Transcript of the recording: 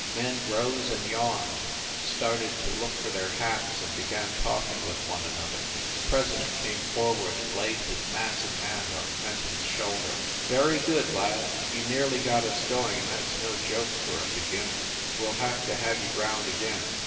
Men rose and yawned, started to look for their hats, and began talking with one an other. The president came forward and laid his massive hand on Fenton s shoulder. 95 96 FIND THE WOMAN "Very good, lad. You nearly got us going and that s no joke for a beginner. We ll have to have you round again.